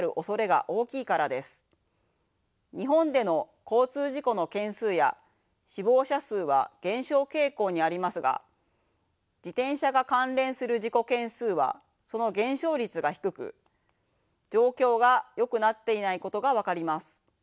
日本での交通事故の件数や死亡者数は減少傾向にありますが自転車が関連する事故件数はその減少率が低く状況がよくなっていないことが分かります。